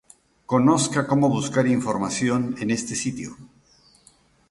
Conozca cómo buscar información en este sitio.